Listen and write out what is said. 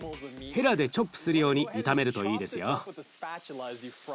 ヘラでチョップするように炒めるといいですよ。